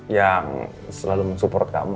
yang selalu mensupport kamu